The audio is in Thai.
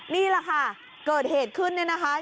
นี่แหละค่ะเกิดเหตุขึ้นเนี่ยนะคะ